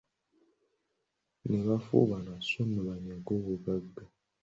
Ne bafufubana so nno banyage obugagga.